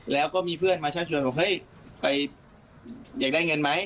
แล้วก็มีเพื่อนมาชักชวนบอกเฮ้ยไปอยากได้เงินไหม